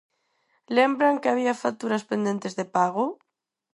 ¿Lembran que había facturas pendentes de pago?